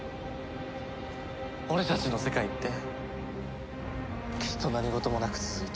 俺たちの世界ってきっと何事もなく続いて。